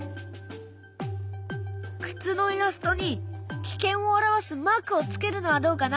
靴のイラストに危険を表すマークをつけるのはどうかな？